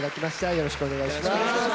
よろしくお願いします。